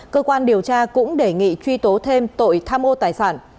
cơ quan điều tra cũng đề nghị truy tố thêm tội tham ô tài sản